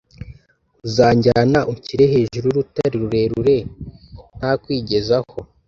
Uzanjyana unshyire hejuru y’urutare rurerure ntakwigezaho